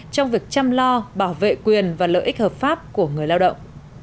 trong việc chăm lo bảo vệ quyền và lợi ích hợp pháp của người lao động